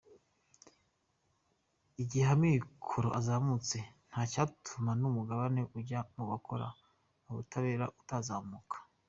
Igihe amikoro azamutse nta cyatuma n’umugabane ujya mu bakora mu butabera utazamuka.